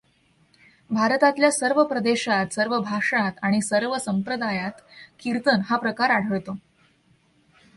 भारतातल्या सर्व प्रदेशांत, सर्व भाषांत आणि सर्व संप्रदायांत कीर्तन हा प्रकार आढळतो.